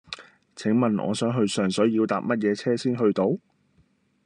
請問我想去上水要搭乜嘢車先去到